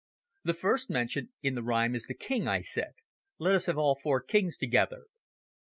"The first mentioned in the rhyme is king," I said. "Let us have all four kings together."